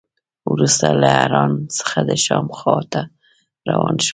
وروسته له حران څخه د شام خوا ته روان شو.